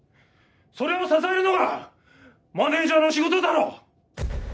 それを支えるのがマネージャーの仕事だろ！